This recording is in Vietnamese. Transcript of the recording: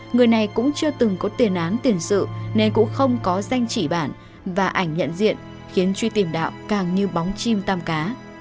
người này cũng chưa từng có tiền án tiền sự nên cũng không có danh chỉ bản và ảnh nhận diện khiến truy tìm đạo càng như bóng chim tam cá